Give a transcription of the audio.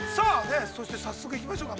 早速行きましょうか。